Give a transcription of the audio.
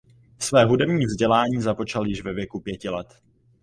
Své hudební vzdělání započal již ve věku pěti let.